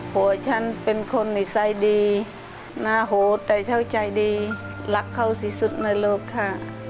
ผู้ชั้นเป็นคนในสายดีน่าโหดแต่เท่าใจดีรักเขาสิทธิ์สุดในโลกค่ะ